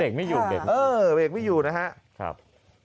เบรกไม่อยู่นะครับค่ะเออเบรกไม่อยู่นะครับครับ